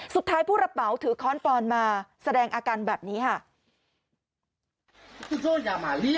สุดท้ายผู้ระเป๋าถือค้อนปอนด์มาแสดงอาการแบบนี้